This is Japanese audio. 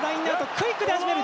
クイックで始める。